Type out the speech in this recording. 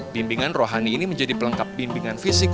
bimbingan rohani ini menjadi pelengkap bimbingan fisik